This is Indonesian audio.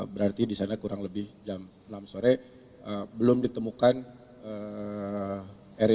berarti di sana kurang lebih jam enam sore belum ditemukan